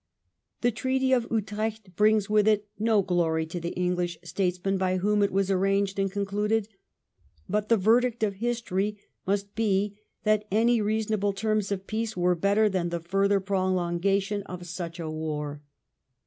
The Treaty of Utrecht brings with it no glory to the English statesmen by whom it was arranged and concluded, but the verdict of history must be that any reasonable terms of peace were better than the further prolongation of such a war.